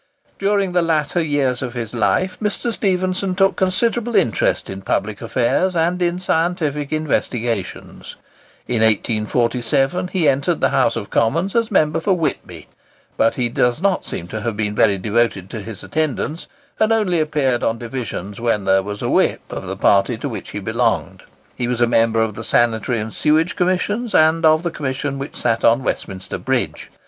During the later years of his life, Mr. Stephenson took considerable interest in public affairs and in scientific investigations. In 1847 he entered the House of Commons as member for Whitby; but he does not seem to have been very devoted in his attendance, and only appeared on divisions when there was a "whip" of the party to which he belonged. He was a member of the Sanitary and Sewage Commissions, and of the Commission which sat on Westminster Bridge.